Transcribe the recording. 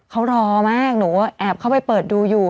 เขารอมากหนูแอบเข้าไปเปิดดูอยู่